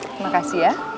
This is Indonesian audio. terima kasih ya